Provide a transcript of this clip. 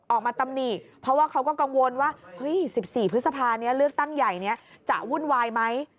ออกมาตำหนิเพราะว่าเขาก็กังวลว่าที่๑๔พฤษภาเรื่องตั้งใหญ่จะวุ่นวายไหม